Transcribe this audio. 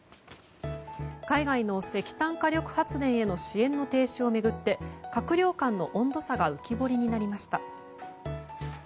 海外の石炭火力発電への支援の停止を巡って閣僚間の温度差が浮き彫りになりました。